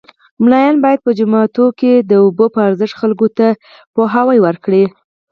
ملان باید په جوماتو کې د اوبو په ارزښت خلکو ته پوهاوی ورکړي